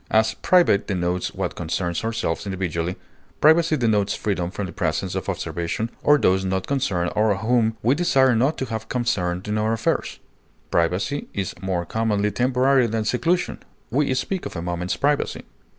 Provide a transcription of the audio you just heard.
As "private" denotes what concerns ourselves individually, privacy denotes freedom from the presence or observation of those not concerned or whom we desire not to have concerned in our affairs; privacy is more commonly temporary than seclusion; we speak of a moment's privacy.